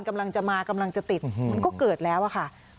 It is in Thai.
กำลังจะมากำลังจะติดมันก็เกิดแล้วอะค่ะ